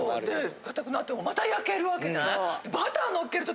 かたくなってもまた焼けるわけね。